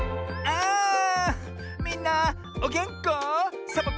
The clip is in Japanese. あみんなおげんこ？